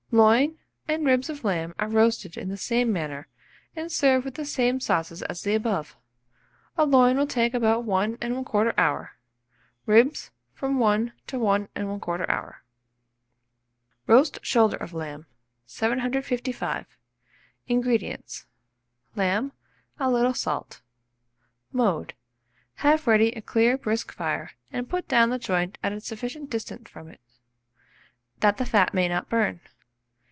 Loin and ribs of lamb are roasted in the same manner, and served with the same sauces as the above. A loin will take about 1 1/4 hour; ribs, from 1 to 1 1/4 hour. ROAST SHOULDER OF LAMB. 755. INGREDIENTS. Lamb; a little salt. Mode. Have ready a clear brisk fire, and put down the joint at a sufficient distance from it, that the fat may not burn.